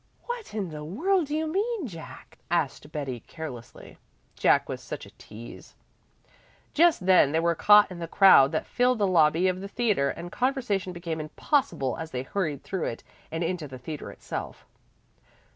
"What in the world do you mean, Jack?" asked Betty carelessly. Jack was such a tease. Just then they were caught in the crowd that filled the lobby of the theatre, and conversation became impossible as they hurried through it and into the theatre itself.